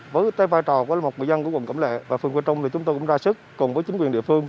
với tay vai trò của một người dân của quận cẩm lệ và phương quyền trung thì chúng tôi cũng ra sức cùng với chính quyền địa phương